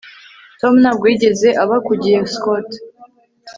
Tom ntabwo yigeze aba ku gihe Scott